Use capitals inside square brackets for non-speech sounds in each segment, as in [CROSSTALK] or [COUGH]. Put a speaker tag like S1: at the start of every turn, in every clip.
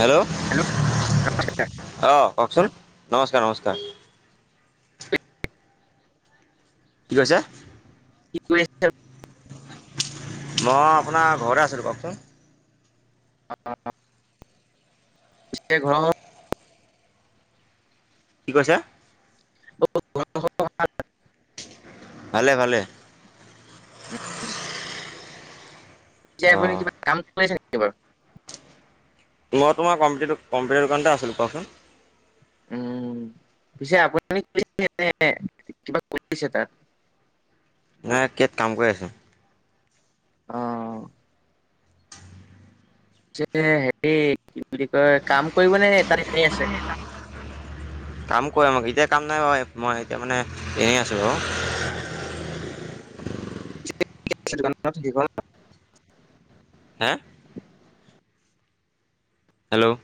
S1: Hello অ',
S2: নমস্কাৰ
S1: কওকচোন নমস্কাৰ, নমস্কাৰ। কি কৈছে?
S2: কি কৰি আছে
S1: মই আপোনাৰ ঘৰতে আছিলোঁ কওকচোন।
S2: এ, ঘৰ
S1: কি কৈছা?
S2: [INAUDIBLE]
S1: ভালে, ভালে।
S2: আপুনি
S1: অঁ
S2: কিবা কামছে নেকি বাৰু?
S1: মই তোমাৰ কম্পিউাৰ- কম্পিউটাৰ দোকানতে আছিলোঁ কওকচোন।
S2: উম, পিছে আপুনি এ, কিবা কৰিছে তাত?
S1: ম কাত কাম কৰি আছো।
S2: অ'। যে হেৰি কি বুলি কয় কাম কৰিবনে এটা এনেই আছে।
S1: কয় আ মোক এতিয়া কাম নাই মই এতিয়া মানে এনেই আছো আৰু।
S2: [UNINTELLIGIBLE]
S1: হে হেল্ল'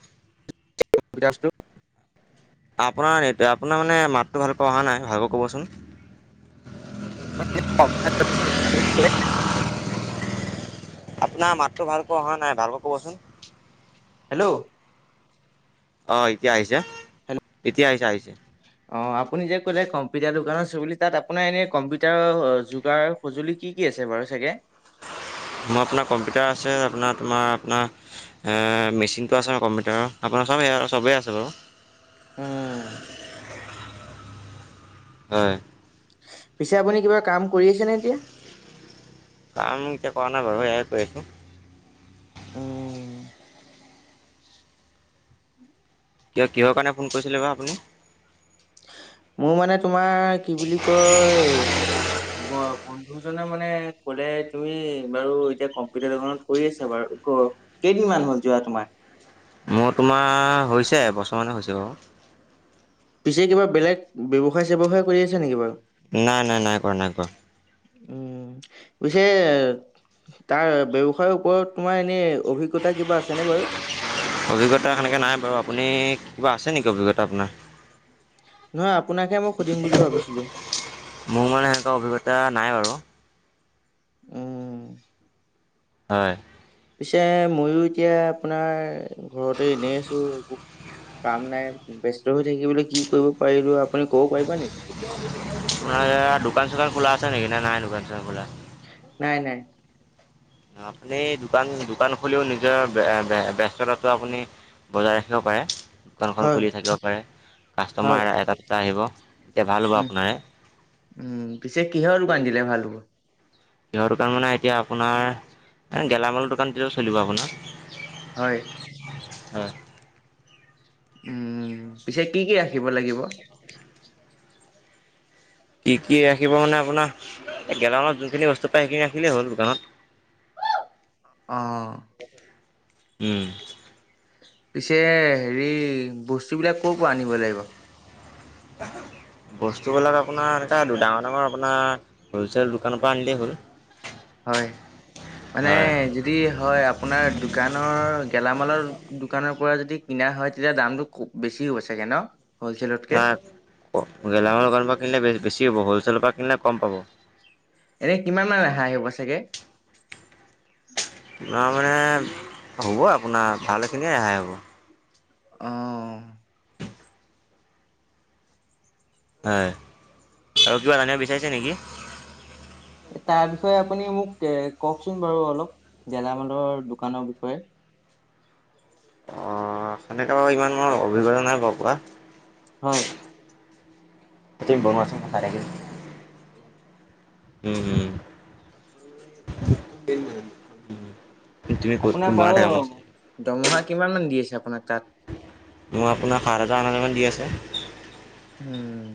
S2: [UNINTELLIGIBLE]
S1: আপোনাৰ এই আপোনাৰ মানে মাতটো ভালকৈ অহা নাই ভালকৈ ক'বচোন।
S2: [UNINTELLIGIBLE]
S1: আপোনাৰ মাতটো ভালকে অহা নাই ভালকৈ কবচোন।
S2: হেল্ল'
S1: অহ এতিয়া আহিছে এতিয়া আহিছে আহিছে।
S2: অ' আপুনি যে কলে কম্পিউটাৰ দোকানৰ চ বুলি তাত আপোনাৰ এনে কম্পিউটাৰৰ অ যোগাৰ সঁজুলি কি কি কি আছে বাৰু চাগে?
S1: মোৰ আপোনাৰ কম্পিউটাৰ আছে আপোনাৰ তোমাৰ আপোনাৰ মেচিনটো আছে ন কম্পিউটাৰৰ আপোনাৰ চব সে চবেই আছে বাৰু।
S2: উম।
S1: হয়।
S2: পিছে আপুনি কিবা কাম কৰি আছেনে এতিয়া?
S1: কাম এতিয়া কৰা নাই বাৰু এয়াই কৰি আছোঁ।
S2: উম।
S1: কিয় কিহৰ কাৰণে ফোন কৰিছিলে বাৰু আপুনি?
S2: মোৰ মানে তোমাৰ কি বুলি কয় বন্ধুজনে মানে কলে তুমি বাৰু এতিয়া কম্পিউটাৰ দোকানত কৰি আছা বাৰু ক কেইদিনমান হ'ল যোৱা তোমাৰ?
S1: মোৰ তোমাৰ হৈছে এবছৰমানানে হৈছে বাৰু।
S2: পিছে কিবা বেলেগ ব্যৱসায় চ্ৱসায় কৰি আছে নেকি বাৰু?
S1: নাই নাই নাই কৰা নাই কোৱা।
S2: উম পিছে তাৰ ব্যৱসায়ৰ ওপৰত তোমাৰ এনে অভিজ্ঞতা কিবা আছেনে বাৰু?
S1: অভিজ্ঞতা সেনেকৈ নাই বাৰু আপুনি কিবা আছে নেকি অভিজ্ঞতা আপোনাৰ?
S2: নহয় আপোনাকহে মই সুধিম বুলি ভাবিছিলো।
S1: মোৰ মানে সেনেকুৱা অভিজ্ঞতা নাই বাৰু।
S2: উম।
S1: হয়।
S2: পিছে মইো এতিয়া আপোনাৰ ঘৰতে এনেই আছো। কাম নাই ব্যস্ত হৈ থাকিবলৈ কি কৰিব পাৰিলো? আপুনি ক'ব পাৰিবা নেকি
S1: তোমাৰ দোকান চোকান খোলা আছে নেকি না নাই দোকান চোকান খোলা?
S2: নাই নাই।
S1: আপুনি দোকান দোকান খুলিও নিজৰ বস্ততাটো আপুনি বজাই ৰাখিব পাৰে দোকানখন
S2: হয়
S1: খুলি থাকিব পাৰে,
S2: হয়।
S1: কাষ্টমাৰ এটা দুটা আহিব। তেতিয়া ভাল হ'ব
S2: উম,
S1: আপোনাৰে।
S2: উম পিছে কিহৰ দোকান দিলে ভাল হব।
S1: কিহৰ দোকান মানে এতিয়া আপোনাৰ গেলামালৰ দোকানটোত চলিব আপোনাৰ।
S2: হয়।
S1: হয়।
S2: উম পিছে কি কি ৰাখিব লাগিব?
S1: কি কি ৰাখিব মানে আপোনাৰ গেলামালত যোনখিনি বস্তু পায় সেইখিনি ৰাখিলেই হ'ল দোকানত।
S2: অহ
S1: উম।
S2: পিছে হেৰি বস্তু বিলাক কৰ পৰা আনিব লাগিব? [INAUDIBLE]
S1: বস্তুবিলাক আপোনাৰ এনেকা ডাঙৰ ডাঙৰ আপোনাৰ হ'লচেল দোকানৰ পৰা আনিলেই হ'ল।
S2: হয় মানে
S1: হয়
S2: যদি হয় আপোনাৰ দোকানৰ গেলামালৰ দোকানৰ পৰা যদি কিনা হয় তেতিয়া দামতটো খুব বেছি চাগে ন। হ'লচেলতকে?
S1: নাই গেলামাল গানৰ পৰা কিনিলে বেছি হ'ব হলচেলৰ পৰা কিনিলে কম পাব।
S2: এনে কিমানান ৰেহাই আহিব চাগে।
S1: আপোনাৰ মানে হ'ব আপোনাৰ ভালখিনিয়ে ৰেহাই হ'ব।
S2: অ'।
S1: হয় আৰু কিবা জানিব বিচাৰিছে নেকি?
S2: তাৰ বিষয়ে আপুনি মোক কওকচোন বাৰু অলপ গেলামালৰ দোকানৰ বিষয়ে।
S1: অ' সেনেকে বাৰু ইমান অভিজ্ঞতা নাই ব কোৱা।
S2: হয়।
S1: ক বনোৱা আছে। [INAUDIBLE]
S2: আপোনাক বাৰু দমহা কিমান মান দি আছে আপোনাক তাত?
S1: মই আপোনাক সাত হাজাৰ হাজামান দি আছে।
S2: উম।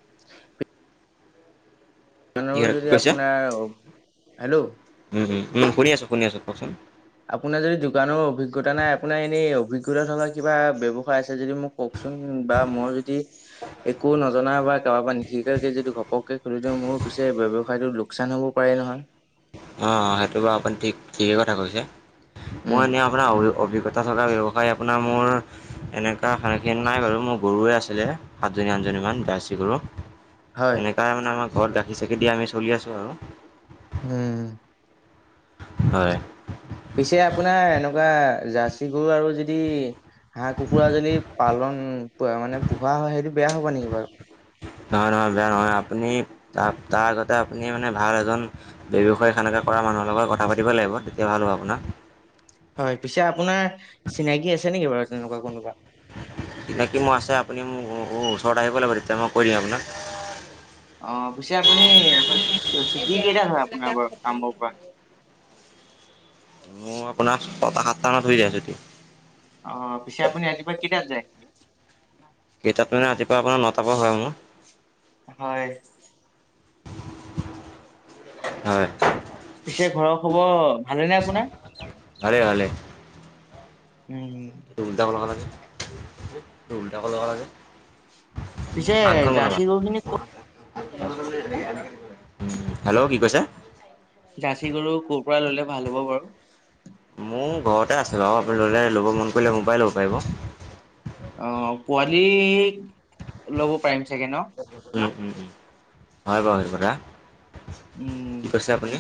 S2: [INAUDIBLE]
S1: কি
S2: [UNINTELLIGIBLE]
S1: কি
S2: যদি
S1: কৈছে
S2: আপোনাৰ, হেল্ল'।
S1: উম, উম শুনি আছো শুনি আছো কওকচোন।
S2: আপোনাৰ যদি শিকত থকা কিবা ব্যৱসায় আছে যদি মোক কওকচোন বা মোৰ যদি একো নজনা বা কাবাপা নিষিকাকে যদি ঘপকে খুলি মোৰো পিছে ব্যৱসায়তো লোকচান হ'বও পাৰে। তাই নহয়।
S1: অ' সেইটো বাৰু আপুনি ঠিক ঠিকেই কথা কৈছে মই
S2: উম,
S1: এনেই আপোনাৰ অ অভি পটা চগা ব্যৱসায় আপোনাৰ মোৰ এনেকুৱা সানহখিন নাই বাৰু মোৰ গৰুৱে আছিলে সাতজনীয়া। জনীমান ব চি কৰৰু
S2: হয়।
S1: সেনেকুৱাই মানে আমাৰ ঘৰত গাখীৰ চখি দিয়ে আমি চলি আছোঁ আৰু।
S2: উম।
S1: হয়।
S2: পিছে আপোনাৰ এনেকুৱা জাৰ্চি গৰু আৰু যদি হাঁহ কুকুৰা যদি পালন মানে পোহা হয় সেইটো বেয়া হবা নেকি বাৰু?
S1: নহয় নহয় বেয়া নহয় আপুনি তা-তাৰ আগতে আপুনি মানে ভাল এজন ব্যৱসায় সনে কৰা মানুহৰ লগত কথা পাতিব লাগিব তেতিয়া ভালো আপোনাক।
S2: হয় পিছে আপোনাৰ চিনাকি আছে নেকি বাৰু তেনেকুৱা কোনোবা?
S1: বাকী মোৰ আছে আপুনি মোক ওচৰত আহিব লাগিব তেতিয়া মই কৈ দিম আপোনাক।
S2: অ' পিছে আপুনি ছুটি কেইটাত হয় আপোনাৰ বাৰু কামৰ পৰা?
S1: মই আপোনাৰ ছটা সাতটা মানত হৈ যাই চুটি।
S2: অহ, পিছে আপুনি ৰাতিপুৱা কেইটাত যায়?
S1: কেইটাত মানে ৰাতিপুৱা আপোনাৰ নতাপা হয় মোৰ।
S2: হয়।
S1: হয়।
S2: পিছে ঘৰৰ খবৰ ভালে নে আপোনাৰ?
S1: ভালে ভালে।
S2: উম,
S1: এইটো উল্টাকে লগালা যে? এইটো উলটাকে লগালা যে?
S2: পিছে
S1: আনখন বনাবা।
S2: জাৰ্চী গৰু খিনি ক
S1: হেল্ল' কি কৈছে?
S2: জাৰ্চি গৰু ক'ৰ পৰা ললে ভাল হ'ব বাৰু?
S1: মোৰ ঘৰতে আছে বাৰু আপুনি ললে ল'ব মন কৰিলে মোৰ পৰাই ল'ব পাৰিব।
S2: অ' পোৱালি লব পাৰিম চাগে ন'।
S1: উম উম, হয় বাৰু হেইটো কথা,
S2: উম,
S1: কি কৈছে আপুনি?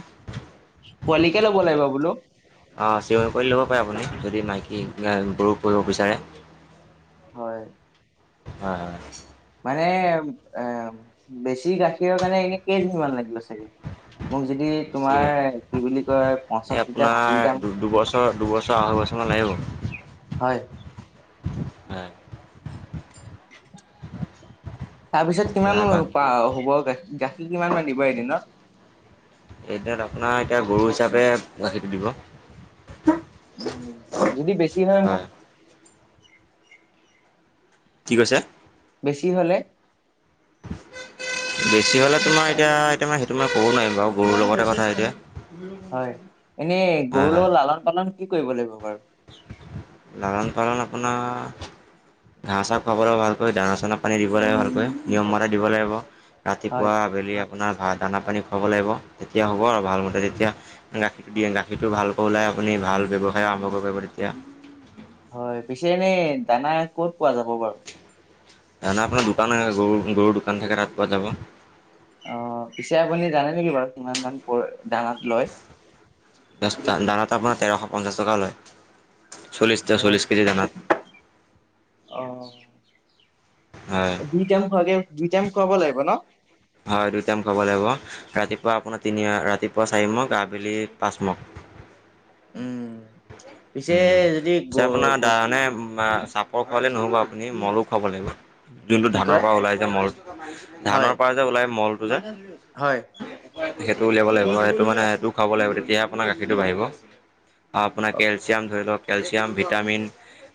S2: পোৱালিকে ল'ব লাগিব বোলো।
S1: অ' চিউনি পোৱালি ল'ব পাৰে আপুনি, যদি মাইকী গৰুক কৰিব বিচাৰে।
S2: হয়,
S1: হয় হয়।
S2: মানে এ বেছি গাখীৰৰ কাৰণে এনে কেইদিনমান লাগিব চাগে? মোক যদি
S1: বেছিকে
S2: তোমাৰ কি বুলি কয়
S1: এই
S2: পঞ্চাশ লিটাৰ
S1: আপোনাৰ
S2: ষাঠি লিটাৰ
S1: অ' লাগিব
S2: হয়।
S1: হয়।
S2: তাৰপিছত
S1: এতিয়া
S2: কিমান
S1: বাকী
S2: হ'ব গাখীৰ কিমান মান দিব এদিনত?
S1: এদিনত আপোনাৰ এতিয়া গৰু হিচাপে গাখীৰটো দিব।
S2: উ, যদি বেছি হয় মোৰ
S1: কি কৈছে?
S2: বেছি হ'লে?
S1: বেছি হ'লে তোমাৰ এতিয়া, এতিয়া ম সেইটো মই ক'ব নোৱাৰিম বাৰু গৰুৰ লগতে কথা এতিয়া।
S2: হয়, এনেই
S1: হয়
S2: গৰুৰ
S1: হয়
S2: লগত লালন পালন কি কৰিব লাগিব বাৰু?
S1: লালন পালন আপোনাৰ ঘাঁহ চাহহ খুৱাবলৈ ভালকৈ দানা চানা পানী দিব লাগে ভালকৈ, নিয়ম মৰাই দিব লাগিব।
S2: হয়
S1: ৰাতিপুৱা আবেলি আপোনাৰ ভ দানা পানী খুৱাব লাগিব তেতিয়া হ'ব আৰু ভালমতে তেতিয়া গাখীৰটো দিয়ে গাখীৰটো ভালকৈ ওলাই। আপুনি ভাল ব্যৱসায় আৰম্ভ কৰিব তেতিয়া।
S2: হয় পিছে এনেই দানা ক'ত পোৱা যাব বাৰু?
S1: নাই আপোনাৰ দোকানে গৰু গৰুৰ দোকান থাকে তাত পোৱা যাব।
S2: অ' পিছে আপুনি জানে নেকি বাৰু কিমান মান দানাত লয়।
S1: দানাটো আপোনাৰ তেৰশ পঞ্চাশ টকা লয়, চল্লিশ
S2: হয়
S1: চল্লিশ কেজি দানাট।
S2: অ'
S1: হয়।
S2: দুই টাইম খোৱাগে দুই টাইম খুৱাব লাগিব ন'।
S1: হয় দুই টাইম খাব লাগিব, ৰাতিপুৱা আপোনাৰ তিনি ৰাতিপুৱা চাৰি মগ আবেলি পাঁচমগ।
S2: উম পিছে
S1: উম,
S2: যদি গ
S1: পিছে আপোনাৰ
S2: গ
S1: দানে চাপৰ খোৱালে নহ'ব আপুনি মলো খুৱাব লাগিব। যোনটো
S2: কি
S1: ধানৰ
S2: কয়
S1: পৰা ওলাই যে মল ধানৰ
S2: হয়
S1: পৰা যে ওলাই মলটো যে
S2: হয়।
S1: সেইটো উলিয়াব লাগিব সেইটো মানে সেইটো খাব লাগিব তেতিয়াহে আপোনাৰ গাখীৰটো বাঢ়িব আৰু আপোনাক
S2: অ
S1: কেলচিয়াম ধৰি লওক কেলচিয়াম ভিটামিন।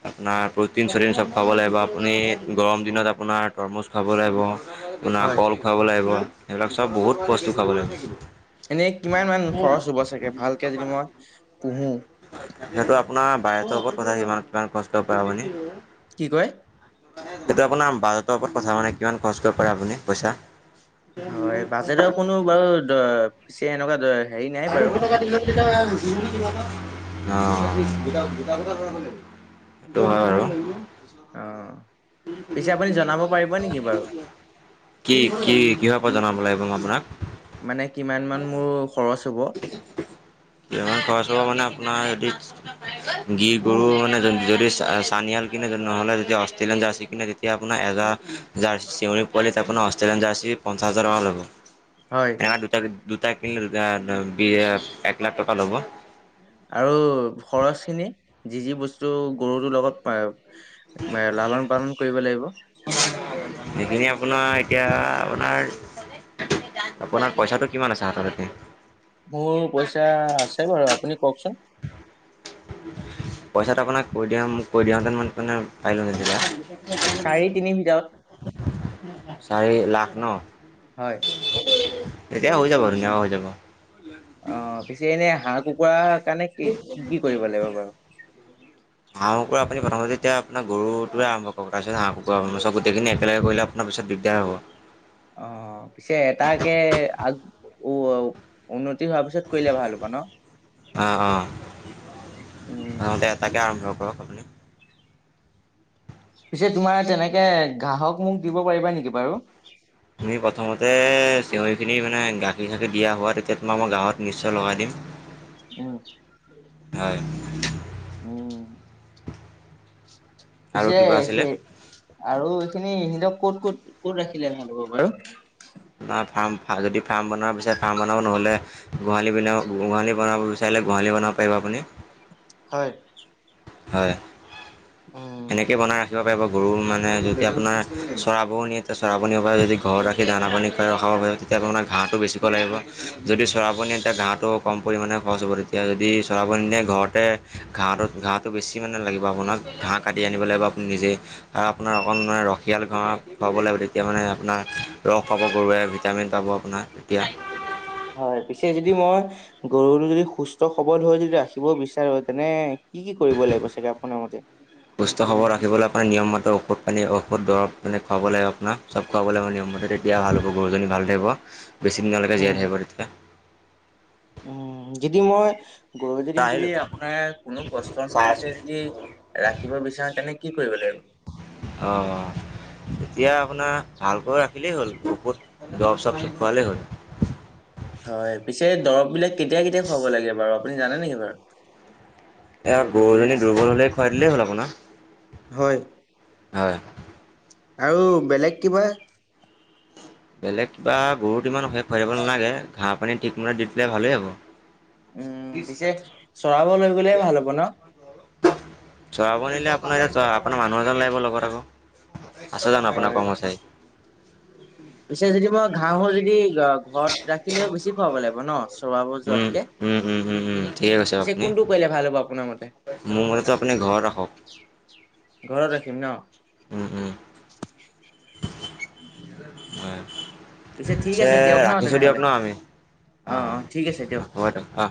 S1: আপোনাৰ প্ৰটিন চটিন চব খাব লাগিব আপুনি গৰম দিনত আপোনাৰ তৰমুজ খাব লাগিব। আপোনাৰ
S2: হয়,
S1: কল খুৱাব লাগিব সেইবিলাক চব বহুত বস্তু খুৱাব লাগিব।
S2: এনে কিমান মান খৰচ হ'ব চাগে ভালকে যদি মই পুহূ।
S1: সিহটো আপোনাৰ বাহিৰতৰ ওপৰত কথা সমান ইমান কষ্ট পায় আপুনি।
S2: কি কয়?
S1: সেইটো আপোনাৰ বাজটৰ ওপৰত কথা মানে কিমান খৰচ কৰিব পাৰে আপুনি পইচা।
S2: হয় বাজেটৰ কোনো বাৰুি এনেকুৱা হেৰি নাই
S1: আৰু
S2: বাৰু
S1: ফ কাটি অ' গ গ
S2: অ'।
S1: কি কি
S2: পিছে আপুনি জনাব পাৰিব নেকি বাৰু?
S1: কিহৰ পৰা জনাম লাগ ৰৰুঙাব্ৰ
S2: মানে কিমান মান মোৰ খৰচ হ'ব?
S1: কিমান খৰচ হব মানে আপোনাৰ হ গি গৰু মানে যদি চানিয়াল কিনেদি নহ'লে যদি অষ্ট্ৰেলিয়ান জাৰ্চি কিনে তেতিয়া আপোনাৰ জাৰ্চি চিউৰ পোৱালি তাৰপোনাৰ অষ্ট্ৰেলিয়ান জাৰ্চি পঞ্চা হাজাৰ টকা ল'ব।
S2: হয়,
S1: ন দুটা দুটা কিনিল এক লাখ টকা ল'ব।
S2: আৰু খৰচ খিনি যি যি বস্তু গৰুটোৰ লগত এ লালন পালন কৰিব লাগিব।
S1: সেইখিনি আপোনাৰ এতিয়া আপোনাৰ আপোনাৰ, পইচাটো কিমান আছে হাতততে?
S2: মোৰ পইচা আছে বাৰু আপুনি কওকচোন।
S1: পইচাটো আপোনাক কৈ দিয়া কৈ দিয়ওঁতেন ম মে পাৰিলোঁ নছিলয়া।
S2: চাৰি তিনি ভিতৰত।
S1: চাৰি লাখ ন?
S2: হয়।
S1: এতিয়া হৈ যাব আৰু না হৈ যাব।
S2: অ' পিছে এনে হাঁহ কুকুৰা
S1: হা ম ক আনি ভ মতে এতিয়া আোনাৰ গৰুটোয়েম্ কৰ তাৰপিছ হাঁহ কু ম চব গোটেইখিনি একেলগে কৰিলে আপোনাৰ পিছত দিগদাৰ হ'ব।
S2: অ' পিছে এটাকে আগ উ উন্নতি হোৱাৰ পিছত কৰিলে ভাল হ'ব ন।
S1: অ
S2: উম
S1: অ এটাকে আৰম্ভ কৰক আপুনি
S2: পিছে তোমাৰ তেনেকে গ্ৰাহক মোক দিব পাৰিবা নেকি বাৰু?
S1: তুমি প্ৰথমতে চিঞৰিখিনি মানে গাখীৰ চাখীৰ দিয়া হোৱা তেতিয়া তোমাৰ মই গাঁৱত নিশ্চয় লগাই দিম
S2: উ
S1: হয়।
S2: উম
S1: আৰু
S2: পিছে
S1: কিবা আছিলে
S2: সেই আৰু এইখিনি ইহিতক ক'ত ক'ত ক'ত ৰাখিলে ভাল হ'ব বাৰু?
S1: াৰ ফাৰ্ম যদি ফাৰ্ম বনাব বিচাৰে ফাৰ্ম বনাব নহলে গোহালি বনাব গোহালি বনাব বিচাৰে গোহালি বনাব পাৰিব আপুনি।
S2: হয়।
S1: হয়,
S2: উম
S1: এনেকে বনাই ৰাখিব পাৰিব। গৰু মানে যদি আপোনাৰ চৰাবনী এতিয়া চৰাবনীৰ পৰা যদি ঘৰত ৰাখি দানা পানী খ খাব পাৰে ঘটো বেছৈ [UNINTELLIGIBLE] আপনি ঘৰতে ঘাঁহটো ঘাঁহটো বেছি মানে লাগিব আপোনাক ঘাঁহ কাটি আনিব লাগিব আপুনি নিজে আৰু আপোনাৰ অকণ মানে ৰসিয়াল ঘঁৰা খুৱাব লাগিব তেতিয়া মানে আপোনাৰ ৰস পাব ক'ৰবাই ভিটামিন পাব আপোনাৰ তেতিয়া
S2: হয় পিছে যদি মই গৰুটো যদি সুস্থ সবল হৈ যদি ৰাখিব বিচাৰো তেনে কি কি কৰিব লাগিব চাগে আপোনাৰ মতে?
S1: সুস্থ সবল ৰাখিবলৈ আপোনাৰিয়মতে ঔষধ পানী ঔষধ দৰৱ পানী খোৱাব লাগে আপোনাৰ চব খোৱাব হয় নিয়ম মতে তেতিয়া ভাল হ'ব। গৰুজনী ভাল থাকিব বেছি দিনলৈকে জীয়াই
S2: উম
S1: থাকিব তেতিয়া
S2: উম যদি মই গৰুজনী
S1: তই
S2: যদি
S1: আহিলোঁ
S2: আপোনাৰ কোনো কষ্ট
S1: চাই আছোঁ
S2: নোহোৱাকে যদি ৰাখিব বিচাৰে তেনে কি কৰিব লাগিব
S1: আহঁ এতিয়া আপোনাৰ ভালকৈ ৰাখিলেই হ'ল ঐষত জৱব চৱব খুৱালেই হ'ল।
S2: হয় পিছে দৰব বিলাক কেতিয়া কেতিয়া খুৱাব লাগে বাৰু আপুনি জানে নেকি বাৰু?
S1: এ গৰুজনী দুৰ্বল হ'লে খুৱাই দিলেই হ'ল আপোনাৰ।
S2: হয়।
S1: হয়।
S2: আৰু বেলেগ কিবা
S1: বেলেগ কিবা গৰুত ইমান শেষ ভব নালাগে ঘাঁহ পানী ঠিকমতে দি দিলে ভালে হ'ব।
S2: উম, পিছে চৰাব লৈ গ'লে ভাল হ'ব ন?
S1: [UNINTELLIGIBLE] চৱাব নিলে আপোনাৰ এতিয়া আপোনাৰ মানুহ এজন লাগিব লগত আকৌ আছ জানো আপোনাৰ
S2: হয়।
S1: কৰ্মচাৰী?
S2: পিছে যদি মই ঘাঁহ হয় যদি ঘৰত ৰাখিলেও বেছি খুৱাব লাগিব ন চৰোয়াব
S1: উম
S2: যোৱাতকে?
S1: উম উম উম উম। ঠিক কৈছে
S2: পিছে
S1: আপুনি
S2: কোনটো কৰিলে ভাল হ'ব আপোনাৰ মতে?
S1: মোৰ মতে আপুনি ঘৰত ৰাখক
S2: ঘৰত ৰাখিম ন?
S1: উম উম
S2: উম।
S1: হয়
S2: পিছে ঠিক আছে দিয়ক ন
S1: ৰাখিছোঁ দিয়ক
S2: তেনেহলে
S1: ন আমি
S2: অ অ ঠিক আছে
S1: অ
S2: দিয়ক।
S1: হ'ব অ